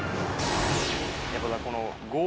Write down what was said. やっぱこの。